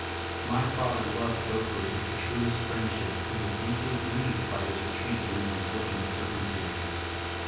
My father loved Beaufort with the truest friendship and was deeply grieved by his retreat in these unfortunate circumstances.